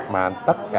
mà tất cả